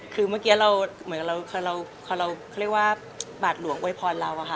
คือเมื่อกี้เราเขาเรียกว่าบาทหลวงโวยพรเราอะค่ะ